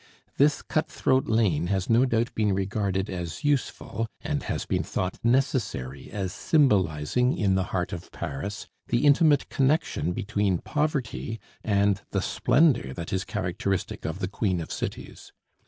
This cutthroat lane has no doubt been regarded as useful, and has been thought necessary as symbolizing in the heart of Paris the intimate connection between poverty and the splendor that is characteristic of the queen of cities.